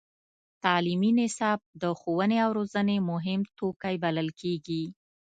تعلیمي نصاب د ښوونې او روزنې مهم توکی بلل کېږي.